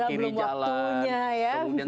padahal belum waktunya ya